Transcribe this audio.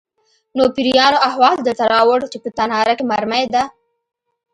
_نو پېريانو احوال درته راووړ چې په تناره کې مرمۍ ده؟